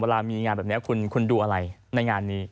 เวลามีงานแบบนี้คุณดูอะไรในงานนี้